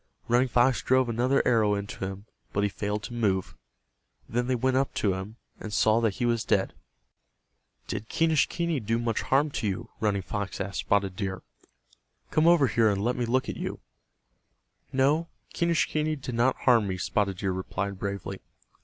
Running Fox drove another arrow into him, but he failed to move. Then they went up to him, and saw that he was dead. "Did Quenischquney do much harm to you?" Running Fox asked Spotted Deer. "Come over here and let me look at you." "No, Quenischquney did not harm me," Spotted Deer replied, bravely.